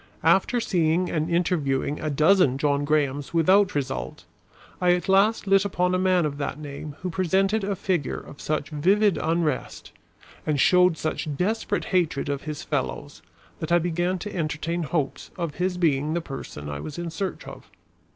After seeing and interviewing a dozen John Grahams without result, I at last lit upon a man of that name who presented a figure of such vivid unrest and showed such desperate hatred of his fellows, that I began to entertain hopes of his being the person I was in search of.